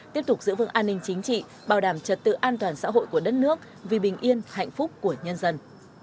tiếp tục giữ vững an ninh chính trị bảo đảm trật tự an toàn xã hội của đất nước vì bình yên hạnh phúc của nhân dân